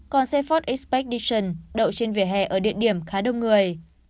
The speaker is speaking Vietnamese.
còn xe ford expedition đậu trên vỉa hè ở địa điểm khá đông người